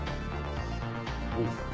うん。